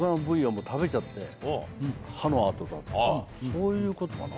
そういうことかな。